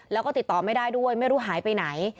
แล้วก็ติดต่อไม่ได้ด้วยไม่รู้หายไปไหน